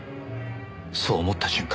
そう思った瞬間